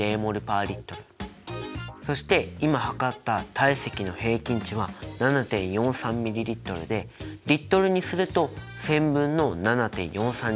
そして今量った体積の平均値は７．４３ｍＬでＬにすると１０００分の７．４３Ｌだね。